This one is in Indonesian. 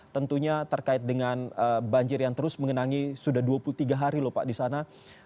tentunya terkait dengan banjir yang terus mengenangi sudah dua puluh tiga hari lho pak di sana